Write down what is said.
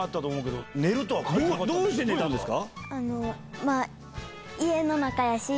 どうして寝たんですか？